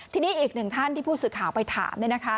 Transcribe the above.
ทีนี้อีกหนึ่งท่านที่ผู้สื่อข่าวไปถาม